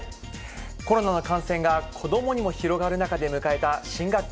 コロナの感染が子どもにも広がる中で迎えた新学期。